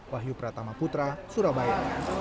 wahyu pratama putra surabaya